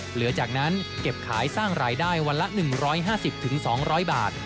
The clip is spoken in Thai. เหลือจากนั้นเก็บขายสร้างรายได้วันละ๑๕๐๒๐๐บาท